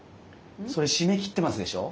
それ閉めきってますでしょ？